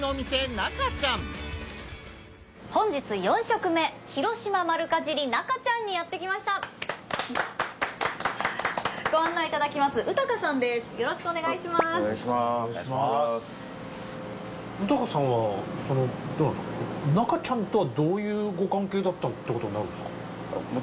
中ちゃんとはどういうご関係だったっていうコトになるんですか？